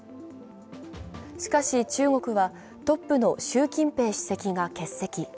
しかし中国は、トップの習近平主席が欠席。